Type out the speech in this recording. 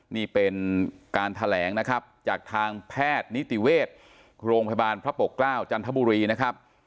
นี่เป็นการแถลงนะครับจากทางแพทย์นิติเวชโรงพยาบาลพระปกเกล้าจันทบุรีนะครับ